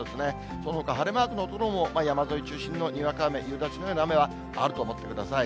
そのほか、晴れマークの所も山沿い中心のにわか雨、夕立のような雨はあると思ってください。